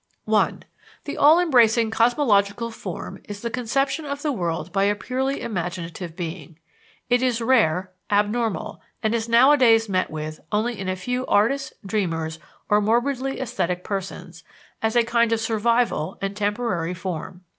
(1) The all embracing cosmological form is the conception of the world by a purely imaginative being. It is rare, abnormal, and is nowadays met with only in a few artists, dreamers, or morbidly esthetic persons, as a kind of survival and temporary form.